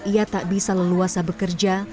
ia tak bisa leluasa bekerja